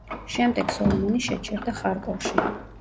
შემდეგ, სოლომონი შეჩერდა ხარკოვში.